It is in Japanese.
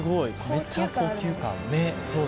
めっちゃ高級感。